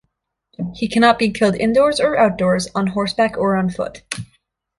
He can not be killed indoors or outdoors, on horseback or on foot.